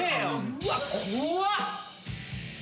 うわっ怖っ！